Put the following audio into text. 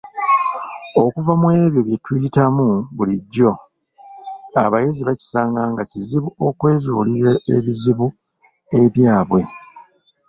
Okuva mu ebyo bye tuyitamu bulijjo, abayizi bakisanga nga kizibu okwezuulira ebizibu ebyabwe.